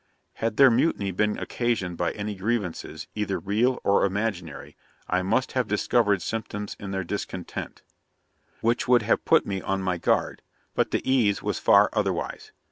Had their mutiny been occasioned by any grievances, either real or imaginary, I must have discovered symptoms of their discontent, which would have put me on my guard; but the ease was far otherwise.